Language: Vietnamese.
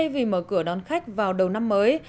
vì mở cửa đón khách vào đầu năm mới